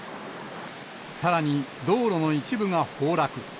さらに道路の一部が崩落。